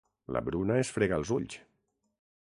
La Bruna es frega els ulls.